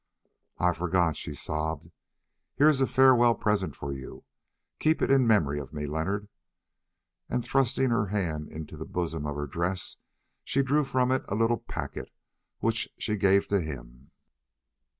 "I forgot," she sobbed, "here is a farewell present for you; keep it in memory of me, Leonard," and thrusting her hand into the bosom of her dress she drew from it a little packet which she gave to him.